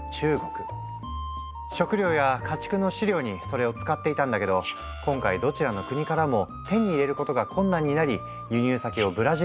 食料や家畜の飼料にそれを使っていたんだけど今回どちらの国からも手に入れることが困難になり輸入先をブラジルに変更。